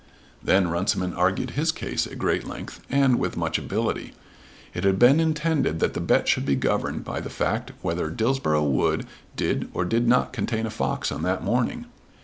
Then Runciman argued his case at great length and with much ability. It had been intended that the bet should be governed by the fact whether Dillsborough Wood did or did not contain a fox on that morning.